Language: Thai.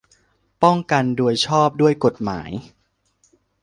ป้องกันโดยชอบด้วยกฎหมาย